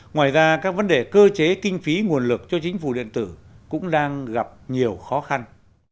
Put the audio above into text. ngoài ra các vấn đề cơ chế kinh phí nguồn lực cho chính phủ điện tử cũng đang gặp nhiều khó khăn